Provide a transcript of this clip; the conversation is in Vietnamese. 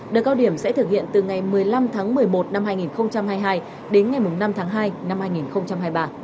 đợt cao điểm sẽ thực hiện từ ngày một mươi năm tháng một mươi một năm hai nghìn hai mươi hai đến ngày năm tháng hai năm hai nghìn hai mươi ba